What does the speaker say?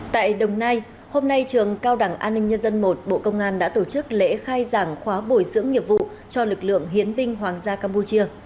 tại đồng nai hôm nay trường cao đẳng an ninh nhân dân i bộ công an đã tổ chức lễ khai giảng khóa bồi dưỡng nghiệp vụ cho lực lượng hiến binh hoàng gia campuchia